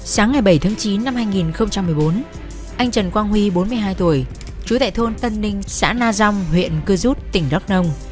sáng ngày bảy tháng chín năm hai nghìn một mươi bốn anh trần quang huy bốn mươi hai tuổi chú tại thôn tân ninh xã na dông huyện cư rút tỉnh đắk nông